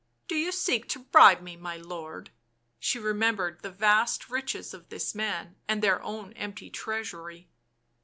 " Do you seek to bribe me, my lord?" She remembered the vast riches of this man and their own empty treasury.